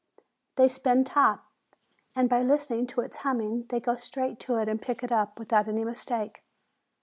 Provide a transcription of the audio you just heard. They spin top, aad by listening to its hum ming they go straight to it and pick it up without any mistake.